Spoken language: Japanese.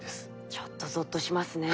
ちょっとゾッとしますね。